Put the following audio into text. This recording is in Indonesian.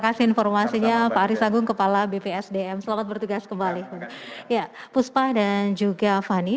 kasih informasinya pak aris agung kepala bpsdm selamat bertugas kembali ya puspa dan juga fani